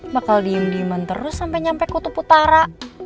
bakal diem diemen terus sampe nyampe kutub utara